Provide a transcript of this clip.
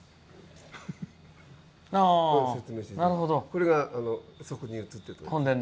これがそこに映ってる。